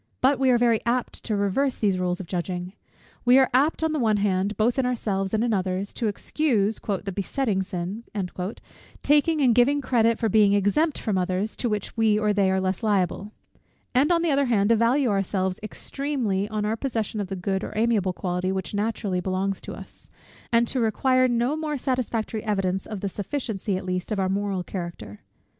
But we are very apt to reverse these rules of judging: we are very apt, on the one hand, both in ourselves and in others, to excuse "the besetting sin," taking and giving credit for being exempt from others, to which we or they are less liable; and on the other hand, to value ourselves extremely on our possession of the good or amiable quality which naturally belongs to us, and to require no more satisfactory evidence of the sufficiency at least of our moral character.